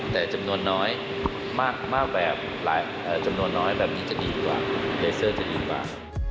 แต่จำนวนน้อยมากแบบแบบนี้จะดีกว่าโลเซอร์จะดีกว่า